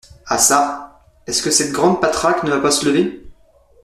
Ah ça ! est-ce que cette grande patraque ne va pas se lever ?